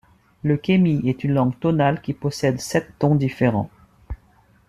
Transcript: Le kemie est une langue tonale qui possède sept tons différents.